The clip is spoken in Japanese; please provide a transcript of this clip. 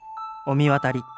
神渡り